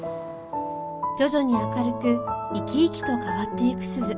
徐々に明るく生き生きと変わっていく鈴